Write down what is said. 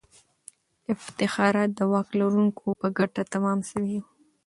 افتخارات د واک لرونکو په ګټه تمام سوي وو.